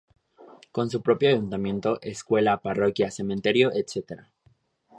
Con su propio ayuntamiento, escuela, parroquia, cementerio, etc.